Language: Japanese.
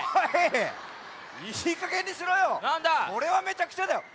それはめちゃくちゃだよ！